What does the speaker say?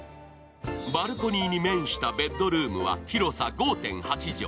バルコニーに面したベッドルームは広さ５．８畳。